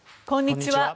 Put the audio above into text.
こんにちは。